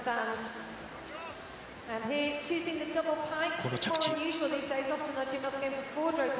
この着地。